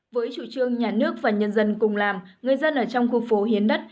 với chủ trương nhà nước và nhân dân cùng làm người dân ở trong khu phố hiến đất